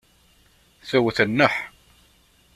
Tewwet nneḥ.